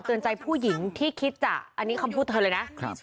ใจผู้หญิงที่คิดจะอันนี้คำพูดเธอเลยนะ